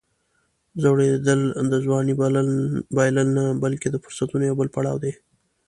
زوړېدل د ځوانۍ بایلل نه، بلکې د فرصتونو یو بل پړاو دی.